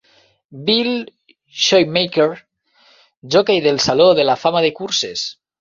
Bill Shoemaker, joquei del saló de la fama de curses.